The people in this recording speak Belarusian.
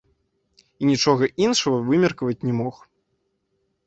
І нічога іншага вымеркаваць не мог.